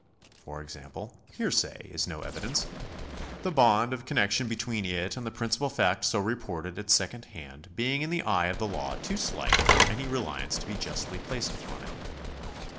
For example, hearsay is no evidence, the bond of connexion between it and the principal fact so reported at second hand being in the eye of the law too slight for any reliance to be justly placed upon it.